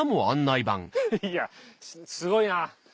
いやすごいな。